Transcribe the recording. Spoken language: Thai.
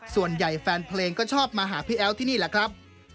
ส่วนใหญ่แฟนเพลงก็ชอบมาหาพี่แอ๊วที่นี่แหละครับ